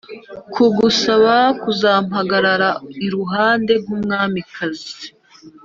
kugusaba kuzampagarara impandenkumwamikazi"